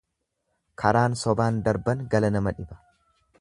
Karaan sobaan darban gala nama dhiba.